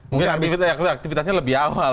mungkin aktivitasnya lebih awal